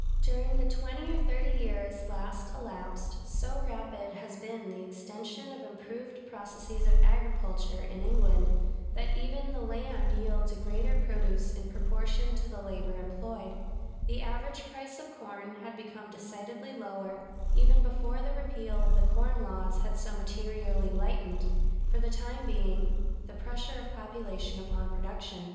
During the twenty or thirty years last elapsed, so rapid has been the extension of improved processes of agriculture [in England], that even the land yields a greater produce in proportion to the labor employed; the average price of corn had become decidedly lower, even before the repeal of the corn laws had so materially lightened, for the time being, the pressure of population upon production.